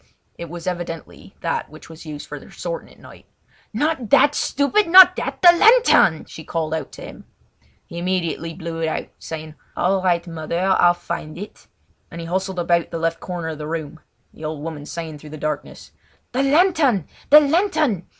It was evidently that which was used for their sorting at night. "Not that, stupid! Not that! the lantern!" she called out to him. He immediately blew it out, saying: "All right, mother I'll find it," and he hustled about the left corner of the room—the old woman saying through the darkness: "The lantern! the lantern!